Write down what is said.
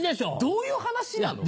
どういう話なの？